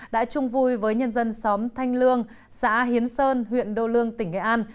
đã chung vui với nhân dân xóm thanh lương xã hiến sơn huyện đô lương tỉnh nghệ an